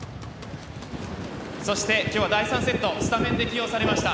今日は第３セットスタメンで起用されました。